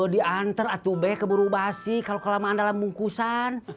dianter a to b ke burubasi kalau kelamaan dalam bungkusan